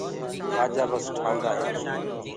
ڪآجآ بس ٽآندآ هينٚ۔